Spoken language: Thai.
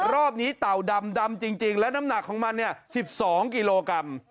รอบนี้เต่าดำจริงและน้ำหนักของมัน๑๒กิโลกรัม